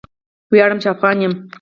ویاړم چې افغان یم